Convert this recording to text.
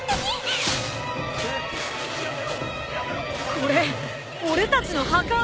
これ俺たちの墓穴！？